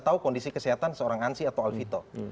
tahu kondisi kesehatan seorang ansi atau alfito